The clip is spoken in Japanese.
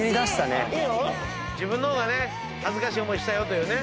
自分の方がね恥ずかしい思いしたよというね。